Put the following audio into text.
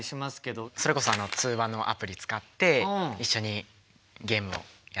それこそ通話のアプリ使って一緒にゲームをやってます。